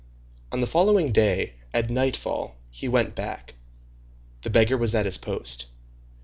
On the following day, at nightfall, he went back. The beggar was at his post.